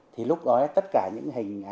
thì lúc đó tất cả những hình